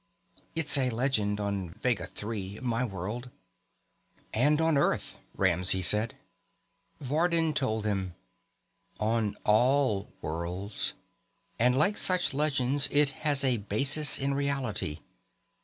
"It's a legend on Vega III, my world." "And on Earth," Ramsey said. Vardin told them: "On all worlds. And, like all such legends, it has a basis in reality.